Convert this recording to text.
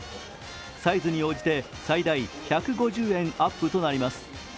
サイズに応じて最大１５０円アップとなります。